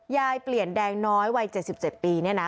เปลี่ยนแดงน้อยวัย๗๗ปีเนี่ยนะ